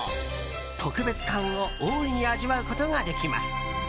特別感を大いに味わうことができます。